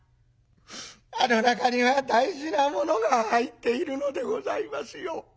あの中には大事なものが入っているのでございますよ。